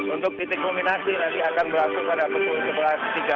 untuk titik nominasi nanti akan berlangsung pada pukul sebelas tiga puluh